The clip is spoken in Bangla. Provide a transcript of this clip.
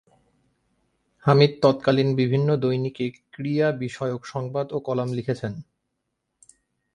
হামিদ তৎকালীন বিভিন্ন দৈনিকে ক্রীড়া বিষয়ক সংবাদ ও কলাম লিখেছেন।